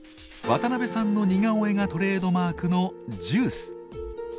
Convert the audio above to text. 渡部さんの似顔絵がトレードマークのジュース。